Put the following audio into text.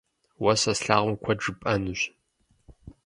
Уэ сэ слъагъум куэд жыпӏэнущ.